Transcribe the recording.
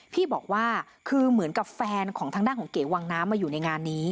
พี่บอกว่าคือเหมือนกับแฟนของทางด้านของเก๋วังน้ำมาอยู่ในงานนี้